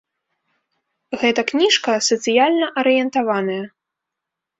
Гэта кніжка сацыяльна арыентаваная.